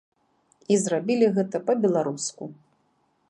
І зрабілі гэта па-беларуску.